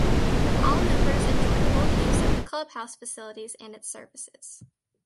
All members enjoy full use of the clubhouse facilities and its services.